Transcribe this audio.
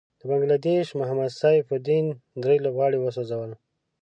د بنګله دېش محمد سيف الدين دری لوبغاړی وسوځل.